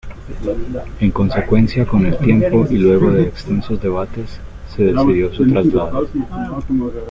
En consecuencia, con el tiempo y luego de extensos debates se decidió su traslado.